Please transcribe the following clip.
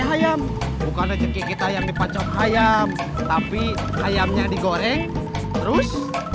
hayam bukan rezeki kita yang dipancok hayam tapi ayamnya digoreng terus